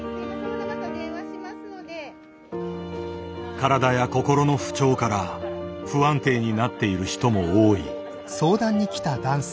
体や心の不調から不安定になっている人も多い。